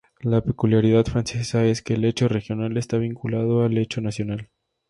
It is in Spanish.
La peculiaridad francesa es que el hecho regional está vinculado al hecho nacional.